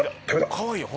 かわいいよ